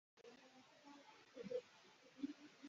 Wagize icyumweru cyo gukora ibi Uzi byinshi kuri ibi